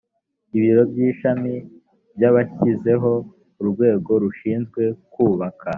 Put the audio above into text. ibiro by ishami byashyizeho urwego rushinzwe kubaka